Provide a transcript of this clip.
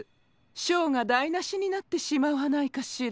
ショーがだいなしになってしまわないかシラ。